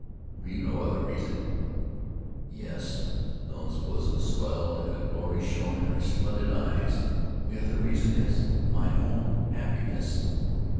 "Have you no other reason?" "Yes." Helen's bosom swelled and a glory shone in her splendid eyes. "The other reason is, my own happiness!"